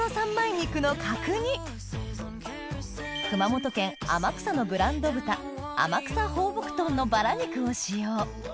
熊本県天草のブランド豚のバラ肉を使用